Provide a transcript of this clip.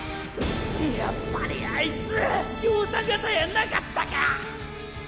やっぱりあいつ量産型やなかったかァ！